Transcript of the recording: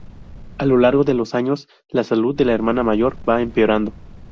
A lo largo de los años, la salud de la hermana mayor va empeorando.